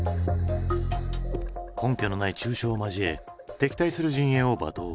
根拠のない中傷を交え敵対する陣営を罵倒。